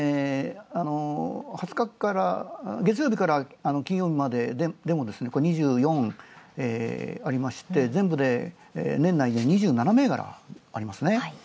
２０日から、月曜日から金曜日まででも２４ありまして、全部で年内に２７銘柄ありますね。